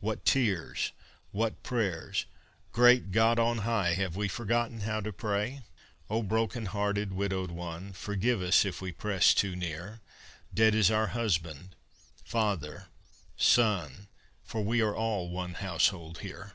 What tears, what prayers! Great God on high, Have we forgotten how to pray! O broken hearted, widowed one, Forgive us if we press too near! Dead is our husband, father, son, For we are all one household here.